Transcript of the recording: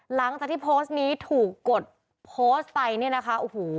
หลังจากที่โพสต์นี้ถูกกดโพสต์ไปเนี่ยนะคะโอ้โห